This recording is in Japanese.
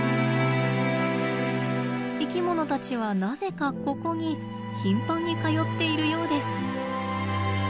生きものたちはなぜかここに頻繁に通っているようです。